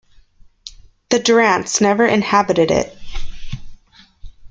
The Durants never inhabited it.